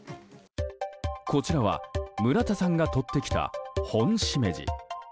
こちらは村田さんが採ってきたホンシメジ。